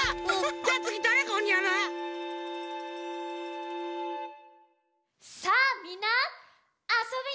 じゃあつぎだれがおにやる？さあみんなあそぶよ！